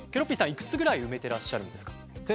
いくつぐらい埋めてらっしゃるんですか？